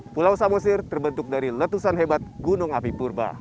pulau samosir terbentuk dari letusan hebat gunung api purba